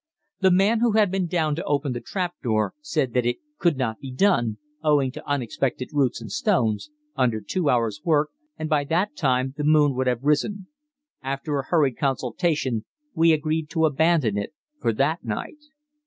The man who had been down to open the trap door said that it could not be done, owing to unexpected roots and stones, under two hours' work, and by that time the moon would have risen. After a hurried consultation we agreed to abandon it for that night.